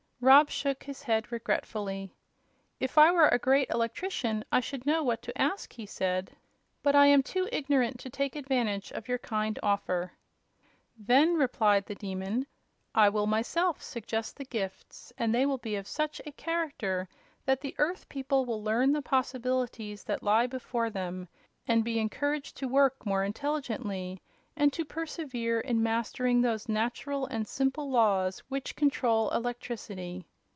Rob shook his head regretfully. "If I were a great electrician I should know what to ask," he said. "But I am too ignorant to take advantage of your kind offer." "Then," replied the Demon, "I will myself suggest the gifts, and they will be of such a character that the Earth people will learn the possibilities that lie before them and be encouraged to work more intelligently and to persevere in mastering those natural and simple laws which control electricity.